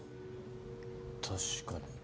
確かに。